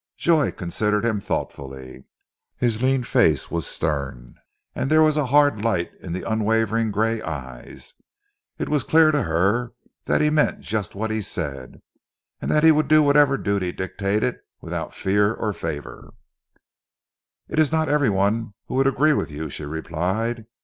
Joy considered him thoughtfully. His lean face was stern, and there was a hard light in the unwavering grey eyes. It was clear to her that he meant just what he said, and that he would do whatever duty dictated without fear or favour. "It is not every one who would agree with you," she replied.